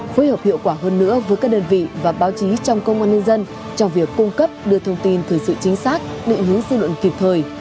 phối hợp hiệu quả hơn nữa với các đơn vị và báo chí trong công an nhân dân trong việc cung cấp đưa thông tin thời sự chính xác định hướng dư luận kịp thời